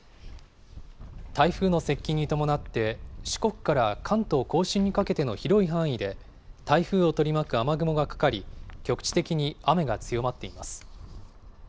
台風の接近に伴って、四国から関東甲信にかけての広い範囲で、台風を取り巻く雨雲がかかり、局地的に雨が強まっています。